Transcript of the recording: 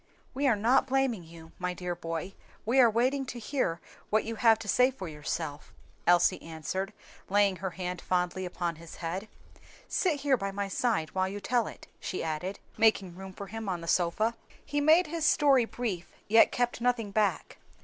"We are not blaming you, my dear boy, we are waiting to hear first what you have to say for yourself," Elsie answered, laying her hand fondly upon his head. "Sit here by my side while you tell it," she added, making room for him on the sofa. He made his story brief, yet kept nothing back.